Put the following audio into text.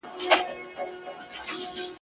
قطرې د اوښکو مي